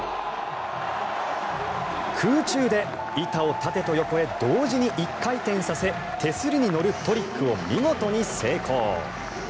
空中で板を縦と横へ同時に１回転させ手すりに乗るトリックを見事に成功。